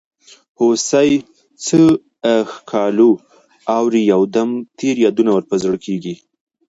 هوسۍ څه ښکالو اوري یو دم تېر یادونه ور په زړه کیږي.